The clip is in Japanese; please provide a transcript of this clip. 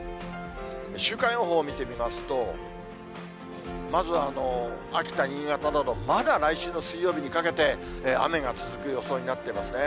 週間予報を見てみますと、まずは秋田、新潟など、まだ来週の水曜日にかけて雨が続く予想になってますね。